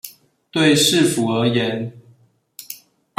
對市府而言